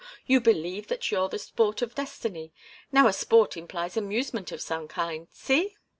You believe that you're the sport of destiny. Now a sport implies amusement of some kind. See?"